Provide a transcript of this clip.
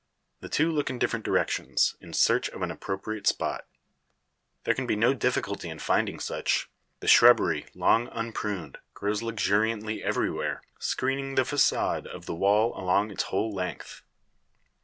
The two look in different directions, in search of an appropriate spot. There can be no difficulty in finding such. The shrubbery, long unpruned, grows luxuriantly everywhere, screening the facade of the wall along its whole length.